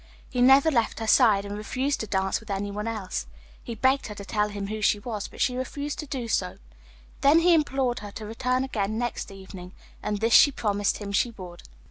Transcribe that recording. He never left her side, and refused to dance with anyone else. He begged her to tell him who she was, but this she refused to do. Then he implored her to return again next evening, and this she promised him she would.